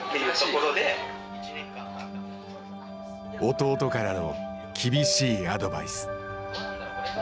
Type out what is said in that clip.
弟からの厳しいアドバイス。